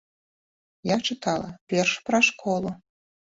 Я чытала верш пра школу.